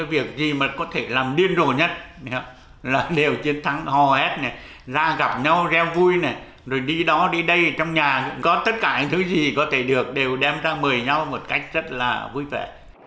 việc gì mà có thể làm điên rồ nhất là đều chiến thắng hò hết ra gặp nhau reo vui này rồi đi đó đi đây trong nhà cũng có tất cả những thứ gì có thể được đều đem ra mời nhau một cách rất là vui vẻ